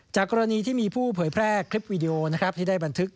กรณีที่มีผู้เผยแพร่คลิปวิดีโอนะครับที่ได้บันทึก